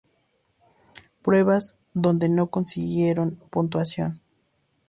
Pruebas donde no consiguieron puntuación.